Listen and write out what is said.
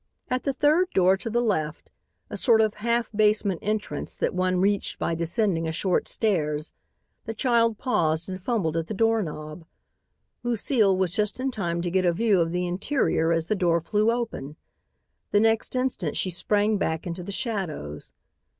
At the third door to the left, a sort of half basement entrance that one reached by descending a short stairs, the child paused and fumbled at the doorknob. Lucile was just in time to get a view of the interior as the door flew open. The next instant she sprang back into the shadows.